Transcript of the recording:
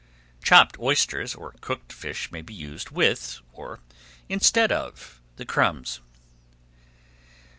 Chopped oysters or cooked fish may be used with, or instead of, the crumbs.